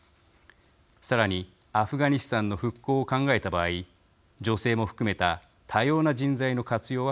さらにアフガニスタンの復興を考えた場合女性も含めた多様な人材の活用は不可欠です。